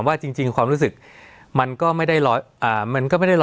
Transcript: สวัสดีครับทุกผู้ชม